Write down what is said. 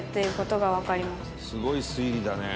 「すごい推理だね」